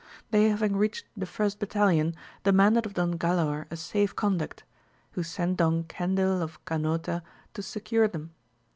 They having reached the first battalion, demanded of Don Galaor a safe con duct, who sent Don Cendil of Ganota to secure them.